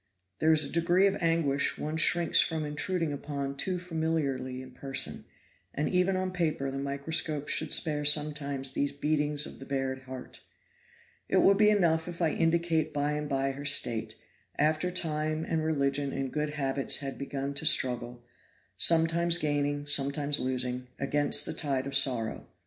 There is a degree of anguish one shrinks from intruding upon too familiarly in person; and even on paper the microscope should spare sometimes these beatings of the bared heart. It will be enough if I indicate by and by her state, after time and religion and good habits had begun to struggle, sometimes gaining, sometimes losing, against the tide of sorrow.